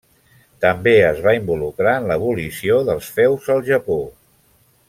També es va involucrar en l'abolició dels feus al Japó.